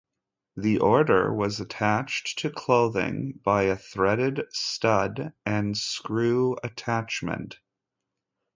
The Order was attached to clothing by a threaded stud and screw attachment.